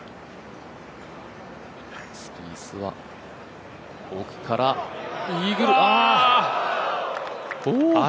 スピースは奥からイーグルああ！